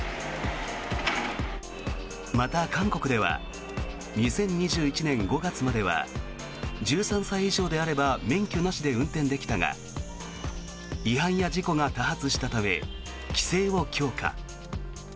また、韓国では２０２１年５月までは１３歳以上であれば免許なしで運転できたが違反や事故が多発したため規制を強化。